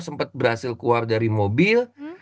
sempat berhasil keluar dari mobil